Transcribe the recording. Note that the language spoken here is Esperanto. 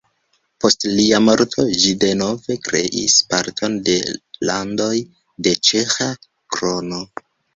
Post lia morto ĝi denove kreis parton de Landoj de Ĉeĥa Krono.